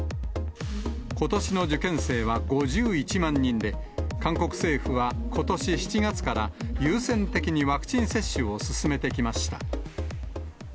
ことしの受験生は５１万人で、韓国政府はことし７月から、優先的にワクチン接種を進めてきました。